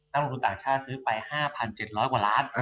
น้ำทุนต่างชาติซื้อไป๕๗๐๐บาท